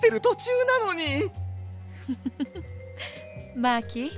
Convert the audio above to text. フフフマーキー